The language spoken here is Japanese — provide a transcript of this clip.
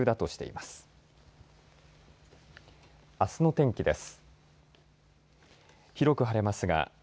あすの天気です。